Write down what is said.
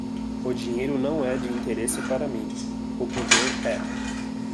O dinheiro não é de interesse para mim, o poder é.